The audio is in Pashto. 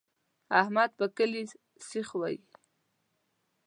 احمد په کلي سیخ وي.